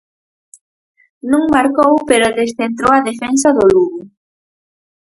Non marcou pero descentrou a defensa do Lugo.